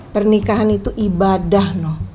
pernikahan itu ibadah